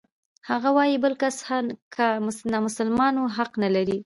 هغه وايي بل کس که نامسلمان و حق نلري.